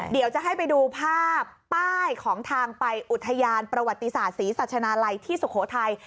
เดี๋ยวจะให้ไปดูภาพป้ายของทางไปอุทยานประวัติศาสตร์ศรีสัชนาลัยที่สุโขทัย